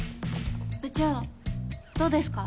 ・部長どうですか？